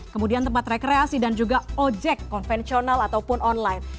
kemudian tempat rekreasi dan juga ojek konvensional ataupun online